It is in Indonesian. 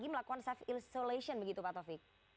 melakukan self isolation begitu pak taufik